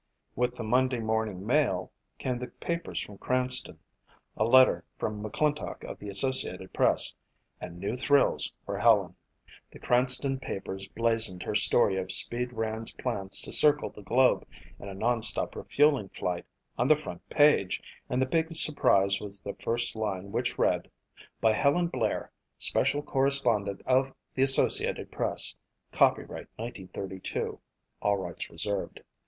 With the Monday morning mail came the papers from Cranston, a letter from McClintock of the Associated Press and new thrills for Helen. The Cranston papers blazoned her story of "Speed" Rand's plans to circle the globe in a nonstop refueling flight on the front page and the big surprise was the first line which read: "By Helen Blair, Special Correspondent of the Associated Press, Copyright 1932 (All Rights Reserved)."